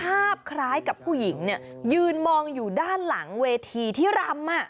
เป็นภาพคล้ายกับผู้หญิงยืนมองอยู่ด้านหลังเวทีที่รำ